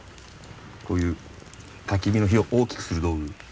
こういうたき火の火を大きくする道具。